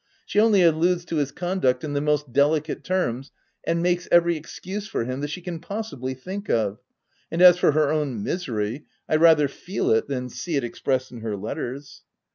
She only alludes to his conduct in the most delicate terms, and makes every excuse for him that she can possibly think of — and as for her own misery, I rather feel it than see it expressed in her letters."